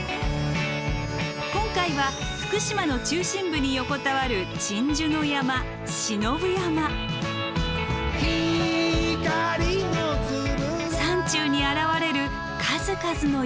今回は福島の中心部に横たわる鎮守の山山中に現れる数々の社。